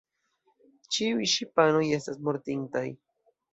Ĉiuj ŝipanoj estas mortintaj.